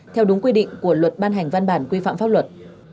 theo đúng quy định của luật ban hành văn bản quy phạm pháp luật